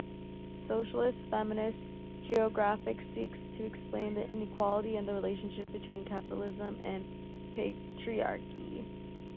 Socialist feminist geography seeks to explain inequality and the relationship between capitalism and patriarchy.